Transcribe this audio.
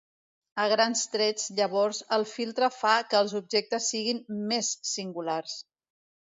A grans trets, llavors, el filtre fa que els objectes siguin "més" singulars.